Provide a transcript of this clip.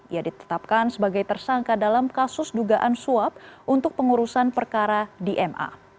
ia ditetapkan sebagai tersangka dalam kasus dugaan suap untuk pengurusan perkara di ma